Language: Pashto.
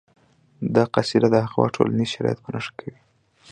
دا قصیده د هغه وخت ټولنیز شرایط په نښه کوي